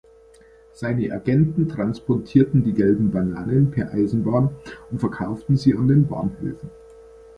Seine Agenten transportierten die gelben Bananen per Eisenbahn und verkauften sie an den Bahnhöfen.